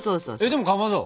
でもかまど。